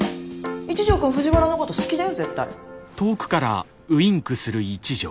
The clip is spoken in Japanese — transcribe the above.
一条くん藤原のこと好きだよ絶対。